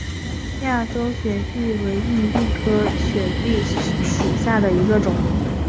亚洲血蜱为硬蜱科血蜱属下的一个种。